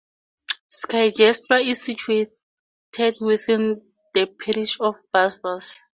Skigersta is situated within the parish of Barvas.